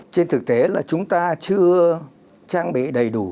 trên thực tế là chúng ta chưa trang bị đầy đủ